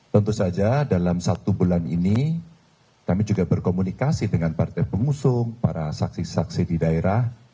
tentu saja dalam satu bulan ini kami juga berkomunikasi dengan partai pengusung para saksi saksi di daerah